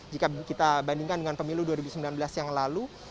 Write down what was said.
jika kita bandingkan dengan pemilu dua ribu sembilan belas yang lalu